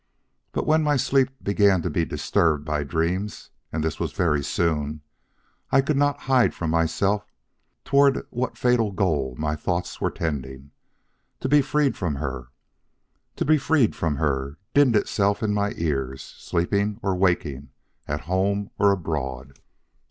But when my sleep began to be disturbed by dreams, and this was very soon, I could not hide from myself toward what fatal goal my thoughts were tending. To be freed from her! To be freed from her! dinned itself in my ears, sleeping or waking, at home or abroad.